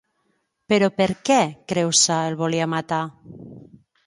Però per què Creusa el volia matar?